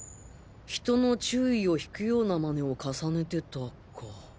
人の注意を引くような真似を重ねてたか。